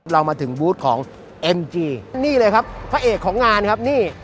เรามาถึงบูธของเอ็มจีนี่เลยครับพระเอกของงานครับนี่